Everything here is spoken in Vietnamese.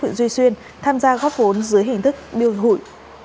huyện duy xuyên tham gia góp vốn dưới hình thức biêu hụi